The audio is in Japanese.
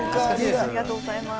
ありがとうございます。